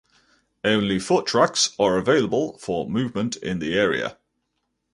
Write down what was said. Only foot tracks are available for movement in the area.